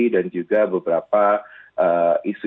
dan juga beberapa isu